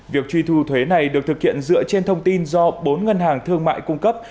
việc truy thu thuế này được thực hiện dựa trên thông tin do bốn ngân hàng thương mại cung cấp